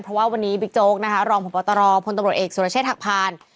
เพราะว่าวันนี้บิ๊กโจกนะคะรองผู้ประตารองค์พลตำรวจเอกโสรเชษทักพาร